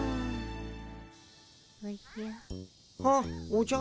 おじゃ。